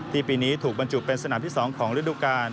ปีนี้ถูกบรรจุเป็นสนามที่๒ของฤดูกาล